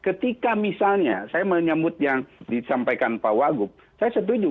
ketika misalnya saya menyambut yang disampaikan pak wagub saya setuju